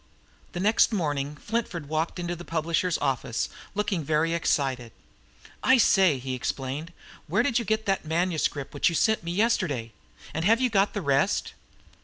The next morning Flintford walked into the publisher's office, looking very much excited. "I say!" he exclaimed. "Where did you get that manuscript which you sent me yesterday? And have you got the rest?"